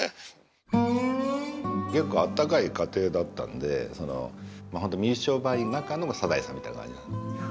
結構あったかい家庭だったんで本当水商売の中の「サザエさん」みたいな感じかな。